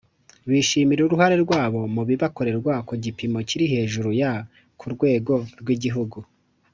bishimira uruhare rwabo mu bibakorerwa ku gipimo kiri hejuru ya Ku rwego rw igihugu